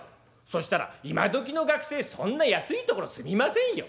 そしたら『今どきの学生そんな安い所住みませんよ。